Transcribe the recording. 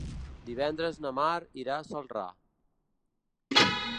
Divendres na Mar irà a Celrà.